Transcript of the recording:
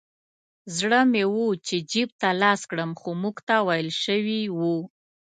زړه مې و چې جیب ته لاس کړم خو موږ ته ویل شوي وو.